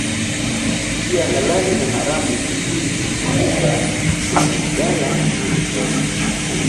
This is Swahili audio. njia halali na haramu ili kuudumisha Malugala anasema